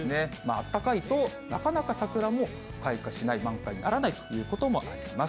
暖かいと、なかなか桜も開花しない、満開にならないということもあります。